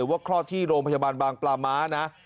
คลอดที่โรงพยาบาลบางปลาม้านะ